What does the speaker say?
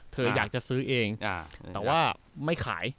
เธออยากจะซื้อเองแต่ว่าไม่ขาย